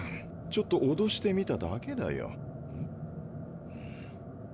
ちょっとおどしてみただけだよ。